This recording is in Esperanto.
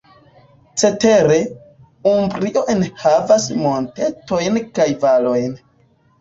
Cetere, Umbrio enhavas montetojn kaj valojn.